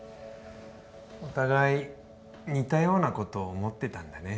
お互い似たようなこと思ってたんだね。